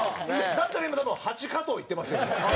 だったら今多分８加藤いってましたけど。